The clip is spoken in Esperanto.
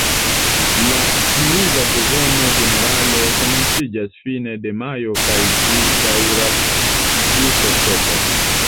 La pluva sezono ĝenerale komenciĝas fine de majo kaj ĝi daŭras ĝis oktobro.